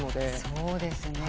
そうですね。